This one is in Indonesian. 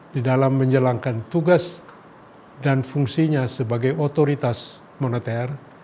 di dalam menjalankan tugas dan fungsinya sebagai otoritas moneter